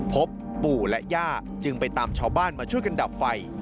พบปู่และย่าจึงไปตามชาวบ้านมาช่วยกันดับไฟ